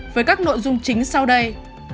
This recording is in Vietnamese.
với các nội dung chính sau đây